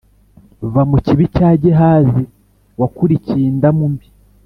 Va mu kibi cya Gehazi Wakurikiye indamu mbi!